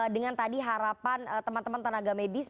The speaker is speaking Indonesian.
dengan tadi harapan teman teman tenaga medis